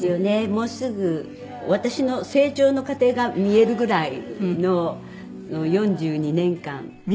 もうすぐ私の成長の過程が見えるぐらいの４２年間。